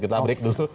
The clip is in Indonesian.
kita berik dulu